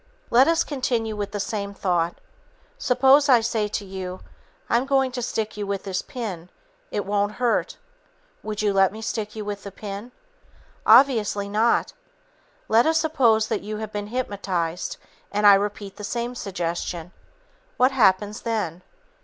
Let us continue with this same thought. Suppose I say to you, "I'm going to stick you with this pin. It won't hurt." Would you let me stick you with the pin? Obviously not. Let us suppose that you have been hypnotized and I repeat the same suggestion. What happens then?